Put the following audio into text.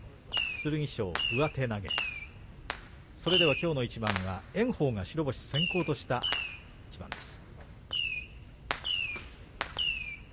きょうの一番は炎鵬が白星先行とした一番です。